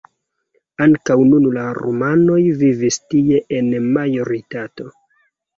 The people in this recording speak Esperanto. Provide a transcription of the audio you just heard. Ankaŭ nun la rumanoj vivas tie en majoritato.